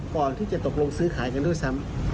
ก่อนที่จะตกลงซื้อขายกันด้วยซ้ำ